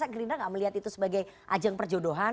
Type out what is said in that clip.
masa gerindra gak melihat itu sebagai ajang perjodohan